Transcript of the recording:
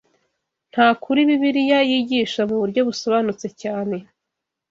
Nta kuri Bibiliya yigisha mu buryo busobanutse cyane